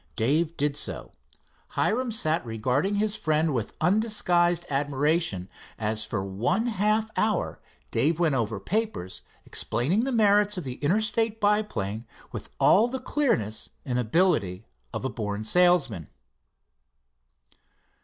Dave did so. Hiram sat regarding his friend, with undisguised admiration, as for one half, hour Dave went over papers, explaining the merits of the Interstate biplane with all the clearness and ability of a born salesman.